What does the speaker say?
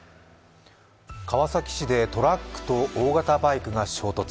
川崎市でトラックと大型バイクが衝突。